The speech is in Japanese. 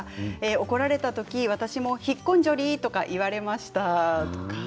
怒られた時、私も引っ込んじょり、と言われました。